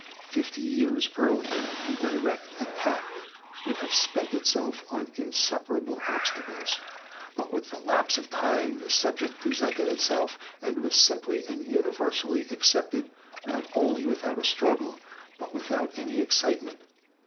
Fifty years earlier, a direct attack would have spent itself on insuperable obstacles; but with the lapse of time the subject presented itself, and was simply and universally accepted, not only without a struggle, but without any excitement.